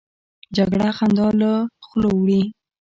جګړه خندا له خولو وړي